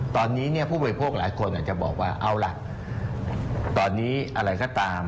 ตอนนี้ผู้บริโภคหลายคนอาจจะบอกว่าเอาล่ะตอนนี้อะไรก็ตาม